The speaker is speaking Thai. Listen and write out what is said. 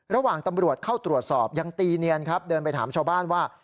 ระหว่างตำรวจเข้าตรวจสอบยังตีเนียนครับเดินไปถามชาวบ้านว่า